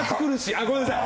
あっごめんなさい。